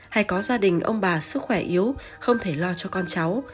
hay có gia đình ông bà sức khỏe yếu không thể lo cho con cháu